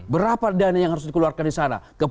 berapa dana yang harus dikeluarkan di sana